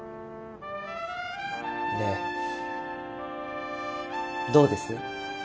でどうです？